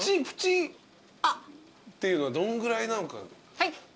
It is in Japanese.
プチっていうのはどんぐらいなのか。